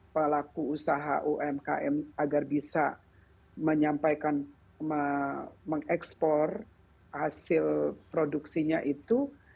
pelaku usaha umkm agar bisa menyampaikan mengekspor hasil produksinya itu